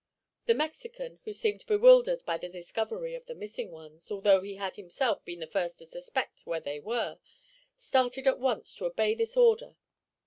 The Mexican, who seemed bewildered by the discovery of the missing ones, although he had himself been the first to suspect where they were, started at once to obey this order.